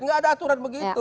nggak ada aturan begitu